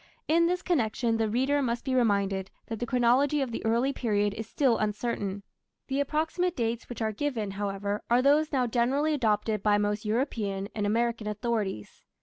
In this connection the reader must be reminded that the chronology of the early period is still uncertain. The approximate dates which are given, however, are those now generally adopted by most European and American authorities.